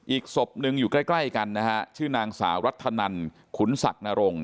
อีกศพ๑อยู่ใกล้กันชื่อนางสาวรัฐนันขุนศักรณรงค์